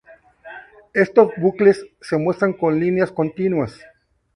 Estos bucles se muestran con líneas continuas.